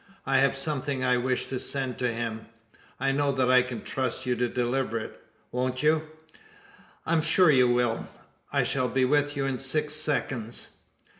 I have something I wish to send to him. I know I can trust you to deliver it. Won't you? I'm sure you will. I shall be with you in six seconds."